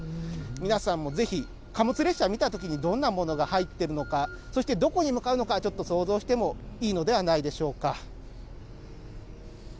皆さんもぜひ、貨物列車見たときに、どんなものが入っているのか、そしてどこに向かうのか、ちょっと想像してもいいのではないでしょうか。